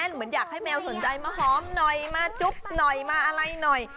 เหมือนอยากให้แมวสนใจมาหอมหน่อยมาจุ๊บหน่อยมาอะไรหน่อย